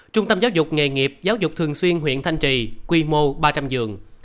trung tâm giáo dục nghề nghiệp giáo dục thường xuyên huyện thanh trì quy mô ba trăm linh giường